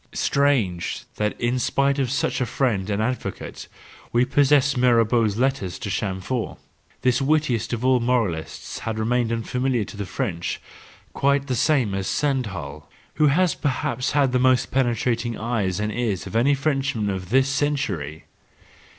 —Strange, that in spite of such a friend and advocate—we possess Mirabeau's letters to Chamfort — this wittiest of all moralists has remained unfamiliar to the French, quite the same as Stendhal, who has perhaps had the most penetrating eyes and ears of any Frenchman of this century.